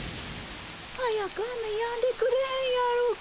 早く雨やんでくれへんやろか。